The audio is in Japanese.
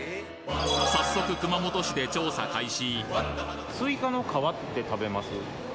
早速熊本市で調査開始